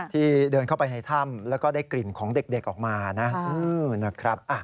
ที่เดินเข้าไปในถ้ำแล้วก็ได้กลิ่นของเด็กออกมานะครับ